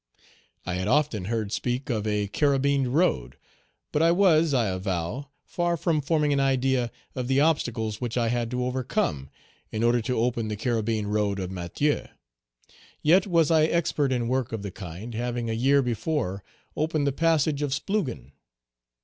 I had often heard speak of a 'carabined road,' but I was, I avow, far from forming an idea of the obstacles which I had to overcome in order to open the carabined road of Matheux. Yet was I expert in work of the kind, having a year before opened the passage of Splugen.